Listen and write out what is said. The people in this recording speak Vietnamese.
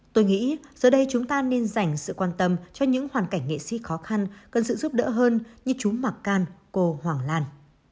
tôi nghĩ giờ đây chúng ta nên dành sự quan tâm cho những hoàn cảnh nghệ sĩ khó khăn cần sự giúp đỡ hơn như chú mặc can cô hoàng lan